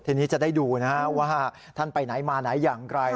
ทีนี้จะได้ดูนะฮะว่าท่านไปไหนมาไหนอย่างไร